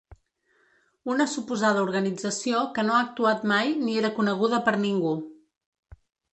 Una suposada organització que no ha actuat mai ni era coneguda per ningú.